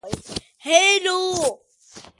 The state chancery court issued the writ.